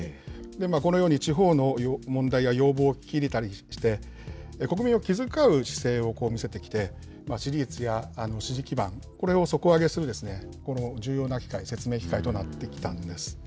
このように地方の問題や要望を聞き入れたりして、国民を気遣う姿勢を見せてきて、支持率や支持基盤、これを底上げする重要な機会、説明機会となってきたんです。